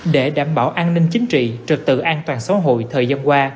để đảm bảo an ninh chính trị trực tự an toàn xã hội thời gian qua